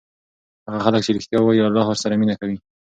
هغه خلک چې ریښتیا وایي الله ورسره مینه کوي.